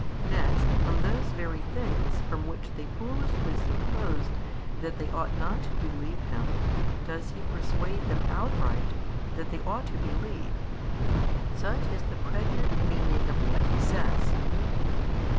Next from those very things from which they foolishly supposed that they ought not to believe Him does He persuade them outright that they ought to believe: such is the pregnant meaning of what He says.